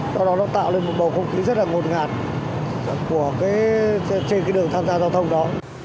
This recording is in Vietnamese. đó đó nó tạo lên một bầu không khí rất là ngột ngạt của cái trên cái đường tham gia giao thông đó